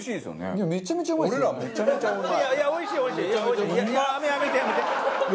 俺らはめちゃめちゃうまい。